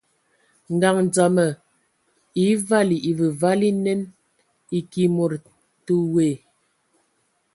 Ngaɲ dzam e vali evǝvali nen, eki mod te woe,